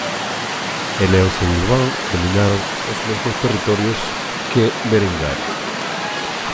El e o seu irmán dominaron os mesmos territorios que Berengario.